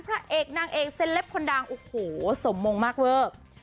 พระเอกนางเอกเซลปคนดังโอ้โหสมมงมากเวอร์